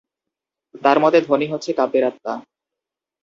তাঁর মতে ধ্বনি হচ্ছে কাব্যের আত্মা।